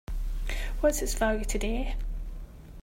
What's its value today?